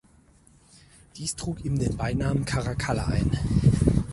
Dies trug ihm den Beinamen Caracalla ein.